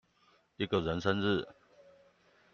一個人生日